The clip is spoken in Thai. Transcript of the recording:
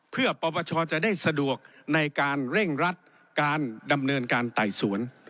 เพื่อปปชจะได้สะดวกในการเร่งรัดการดำเนินการไต่สวน